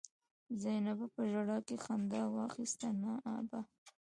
زينبه په ژړا کې خندا واخيسته: نه ابا!